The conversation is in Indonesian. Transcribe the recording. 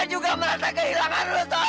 gue juga merasa kehilangan lo ton